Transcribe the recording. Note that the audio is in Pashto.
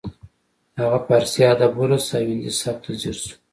هغه پارسي ادب ولوست او هندي سبک ته ځیر شو